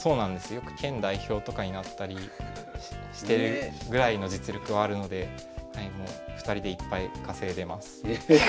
よく県代表とかになったりしているぐらいの実力はあるので２人でいっぱい稼いでます。